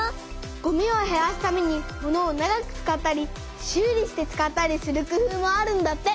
ごみをへらすためにものを長く使ったり修理して使ったりする工夫もあるんだって。